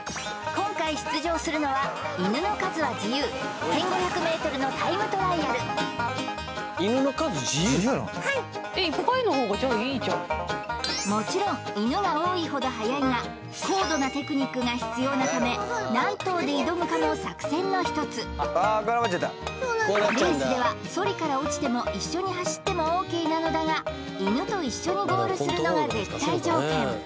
今回出場するのは犬の数は自由１５００ｍのタイムトライアルはいもちろん犬が多いほど速いが高度なテクニックが必要なため何頭で挑むかも作戦の一つレースではソリから落ちても一緒に走ってもＯＫなのだが犬と一緒にゴールするのが絶対条件